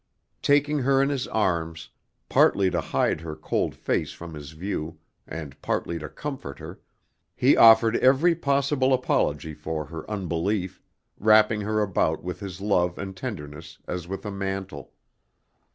Taking her in his arms, partly to hide her cold face from his view and partly to comfort her, he offered every possible apology for her unbelief, wrapping her about with his love and tenderness as with a mantle.